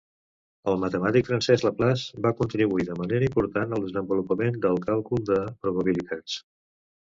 El matemàtic francès Laplace va contribuir de manera important al desenvolupament del càlcul de probabilitats.